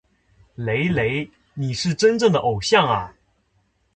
雷雷！你是真正的偶像啊！